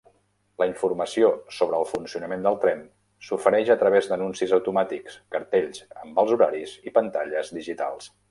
La informació sobre el funcionament del tren s'ofereix a través d'anuncis automàtics, cartells amb els horaris i pantalles digitals.